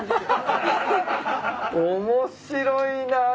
面白いな。